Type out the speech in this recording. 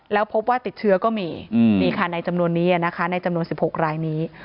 แล้วพบว่าติดเชื้อก็มีนี่ค่ะในจำนวนนี้นะคะในจำนวน๑๖รายนี้